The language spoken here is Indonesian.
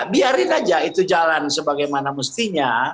biarin aja itu jalan sebagaimana mestinya